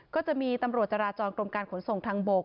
ก็จะมีตำรวจจราจรกรมการขนส่งทางบก